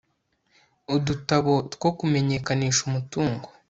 udutabo two kumenyekanisha umutungo